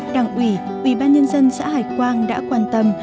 đảng ủy ubnd xã hải quang đã quan tâm